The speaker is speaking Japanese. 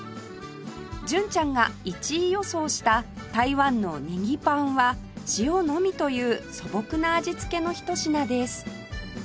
純ちゃんが１位予想した台湾の葱パンは塩のみという素朴な味つけのひと品です